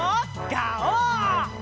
ガオー！